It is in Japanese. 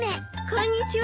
こんにちは。